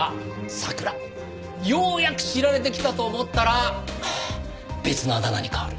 ようやく知られてきたと思ったら別のあだ名に変わる。